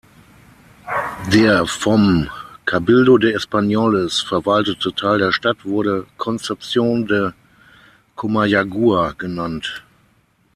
Der, vom Cabildo de Españoles verwaltete, Teil der Stadt wurde "Concepción de Comayagua" genannt.